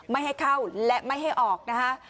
ไม่ให้เข้าและไม่ให้ออกนะคะ